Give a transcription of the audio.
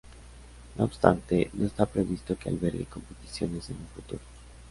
No obstante, no está previsto que albergue competiciones en un futuro.